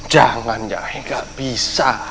jangan nyai gak bisa